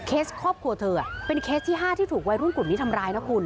ครอบครัวเธอเป็นเคสที่๕ที่ถูกวัยรุ่นกลุ่มนี้ทำร้ายนะคุณ